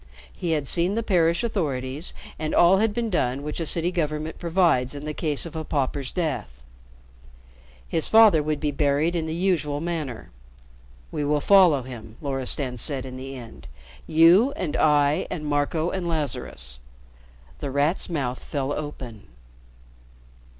He had seen the parish authorities and all had been done which a city government provides in the case of a pauper's death. His father would be buried in the usual manner. "We will follow him," Loristan said in the end. "You and I and Marco and Lazarus." The Rat's mouth fell open.